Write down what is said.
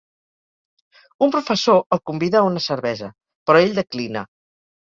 Un professor el convida a una cervesa, però ell declina.